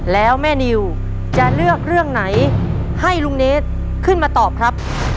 แล้วแม่นิวจะเลือกเรื่องไหนให้ลุงเนสขึ้นมาตอบครับ